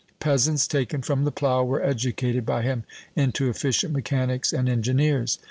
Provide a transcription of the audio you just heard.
Peasants taken from the plough were educated by him into efficient mechanics and engineers.